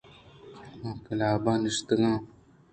من پنجاب ءَ نشتگ آں